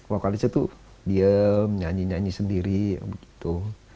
vokalisnya tuh diem nyanyi nyanyi sendiri begitu